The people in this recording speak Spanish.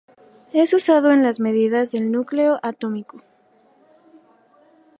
Es usado en las medidas del núcleo atómico.